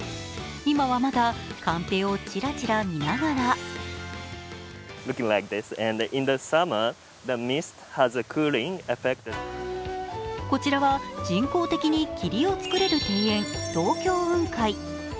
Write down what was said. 今はまだ、カンペをちらちら見ながらこちらは人工的に霧を作れる庭園、東京雲海。